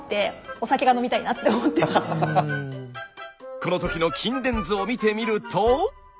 この時の筋電図を見てみると。